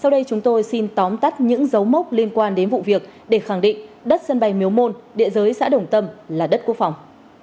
để khẳng định đất sân bay miếu môn địa giới xã đồng tâm là đất quốc phòng